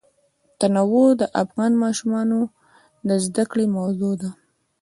تنوع د افغان ماشومانو د زده کړې موضوع ده.